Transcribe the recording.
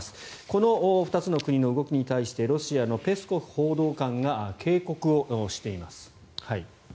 この２つの国の動きに対してロシアのペスコフ報道官が警告をしています。